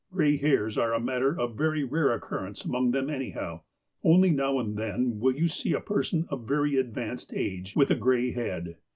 Gray hairs are a matter of very rare occurrence among them anyhow. Only now and then will you see a person of very ad vanced age with a gray head.